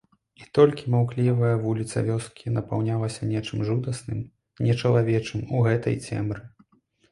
І толькі маўклівая вуліца вёскі напаўнялася нечым жудасным, нечалавечым у гэтай цемры.